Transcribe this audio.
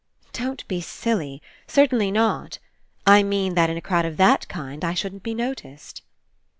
"Don't be silly! Certainly not! I mean that in a crowd of that kind I shouldn't be noticed."